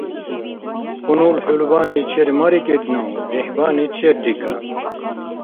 Хьунул хӀулбани чермариркӀидну, лихӀбани черрикӀа.